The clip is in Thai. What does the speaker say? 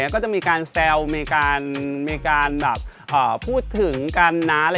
ก็จะมีการแซลมีการพูดถึงกัน